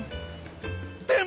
でも！